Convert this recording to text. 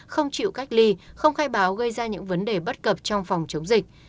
không chịu cách ly không khai báo gây ra những vấn đề bất cập trong phòng chống dịch